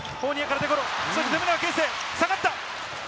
富永啓生、下がった。